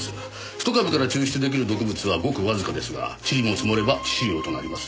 ひと株から抽出出来る毒物はごくわずかですがちりも積もれば致死量となります。